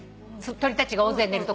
鳥たちが大勢寝るとこ。